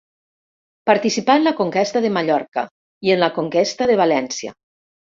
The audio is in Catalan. Participà en la Conquesta de Mallorca i en la Conquesta de València.